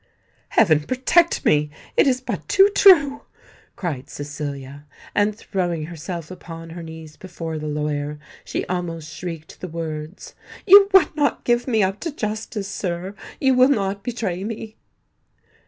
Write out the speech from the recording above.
"Heaven protect me! it is but too true!" cried Cecilia; and, throwing herself upon her knees before the lawyer, she almost shrieked the words, "You would not give me up to justice, sir—you will not betray me?"